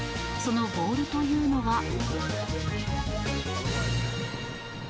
そのボールというのは。